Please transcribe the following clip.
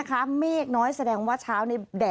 ค่ะคือเมื่อวานี้ค่ะ